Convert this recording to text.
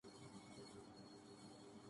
ایک اداکار ہونے کی حیثیت سے بری طرح ناکام رہی